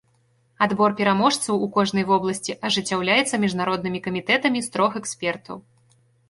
Адбор пераможцаў у кожнай вобласці ажыццяўляецца міжнароднымі камітэтамі з трох экспертаў.